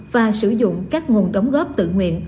và sử dụng các nguồn đóng góp tự nguyện